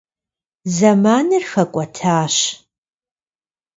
Zemanır xek'uetaş.